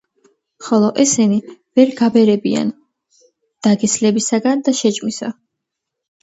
ხოლო ესენი ვერ გაბერებიან დაგესლებისაგან და შეჭმისა.